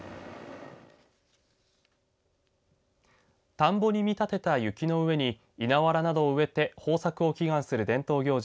田んぼに見立てた雪の上に稲わらなどを植えて豊作を祈願する伝統行事